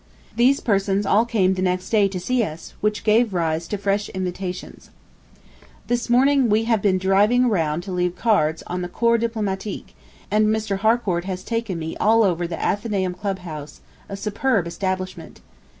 These persons all came the next day to see us, which gave rise to fresh invitations. This morning we have been driving round to leave cards on the corps diplomatique, and Mr. Harcourt has taken me all over the Athenæum Club house, a superb establishment.